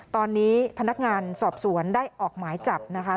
ตอนนี้พนักงานสอบสวนได้ออกหมายจับนะคะ